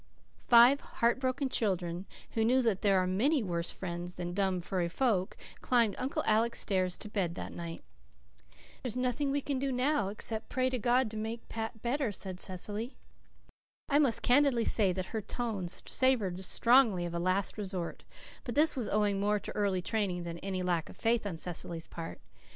Five heart broken children, who knew that there are many worse friends than dumb, furry folk, climbed Uncle Alec's stairs to bed that night. "There's nothing we can do now, except pray God to make Pat better," said Cecily. I must candidly say that her tone savoured strongly of a last resort; but this was owing more to early training than to any lack of faith on Cecily's part.